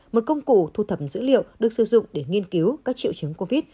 một công cụ thu thập dữ liệu được sử dụng để nghiên cứu các triệu chứng covid